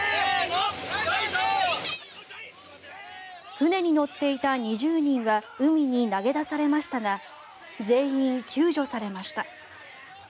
船に乗っていた２０人は海に投げ出されましたが全員、救助されました。